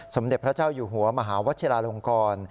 สมเด็จพระเจ้าอยู่หัวมหาวัชิลาลงกร